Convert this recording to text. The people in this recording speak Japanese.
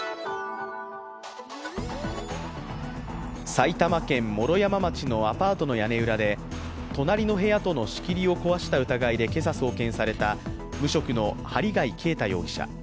埼玉県毛呂山町のアパートの屋根裏で隣の部屋との仕切りを壊した疑いで今朝送検された無職の針谷啓太容疑者。